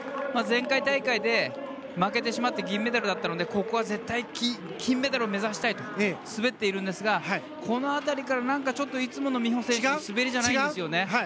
前回大会で負けてしまって銀メダルだったのでここは絶対に金メダルを目指したいと思って滑っているんですがこの辺りから何かいつもの美帆選手の滑りじゃないんですよね。